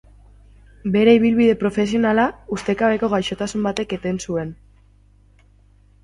Bere ibilbide profesionala ustekabeko gaixotasun batek eten zuen.